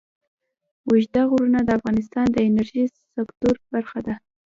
اوږده غرونه د افغانستان د انرژۍ سکتور برخه ده.